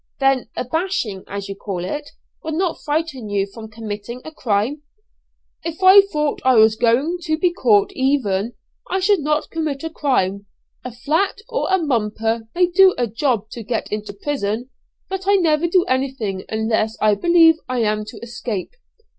"Then a bashing, as you call it, would not frighten you from committing a crime?" "If I thought I was going to be caught even, I should not commit a crime. A 'flat' or a 'mumper' may do a job to get into prison, but I never do anything unless I believe I am to escape.